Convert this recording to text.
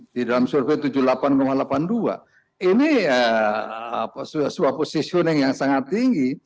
di dalam survei tujuh puluh delapan delapan puluh dua ini sebuah positioning yang sangat tinggi